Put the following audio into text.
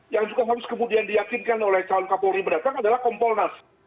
yang juga harus kemudian diyakinkan oleh calon kapolri mendatang adalah kompolnas